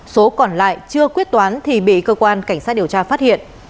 số còn lại chưa quyết toán thì bị cơ quan cảnh sát điều tra phát hiện